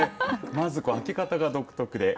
まず、これ開け方が独特で。